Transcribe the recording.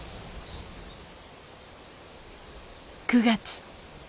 ９月。